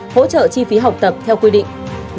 hỗ trợ chi phí học tập theo quy định